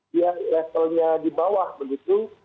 dia levelnya dibawah begitu